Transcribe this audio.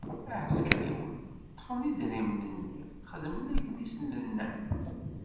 Iɛsekṛiwen ṭṭfen idrimen-nni, xedmen akken i sen-nnan.